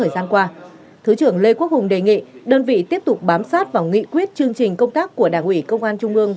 thời gian qua thứ trưởng lê quốc hùng đề nghị đơn vị tiếp tục bám sát vào nghị quyết chương trình công tác của đảng ủy công an trung ương